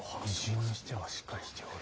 異人にしてはしっかりしておる。